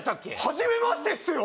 初めましてっすよ！